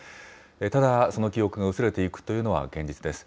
ただ、その記憶が薄れていくというのは現実です。